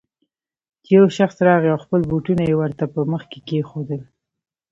چې يو شخص راغی او خپل بوټونه يې ورته په مخ کې کېښودل.